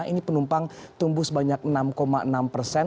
ini penumpang tumbuh sebanyak enam enam persen